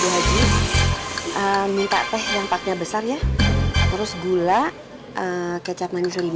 lagi minta teh yang pakai besar ya terus gula kecap manis lima